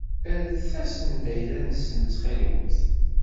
Rret-asen-d ayla-nsen ttxil-wet.